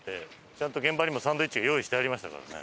ちゃんと現場にもサンドイッチが用意してありましたからね。